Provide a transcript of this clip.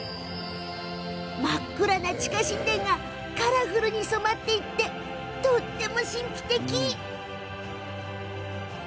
真っ暗な地下神殿がカラフルに染まって、とっても神秘的！